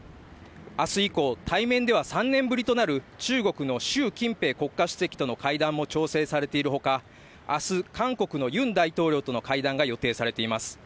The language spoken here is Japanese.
明日以降、対面では３年ぶりとなる中国の習近平国家主席との会談も調整されているほか明日、韓国のユン大統領との会談が予定されています。